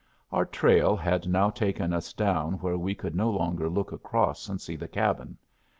Our trail had now taken us down where we could no longer look across and see the cabin.